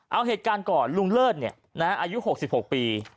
เอาเหตุการณ์ก่อนลุงเลิศอายุ๖๖ปี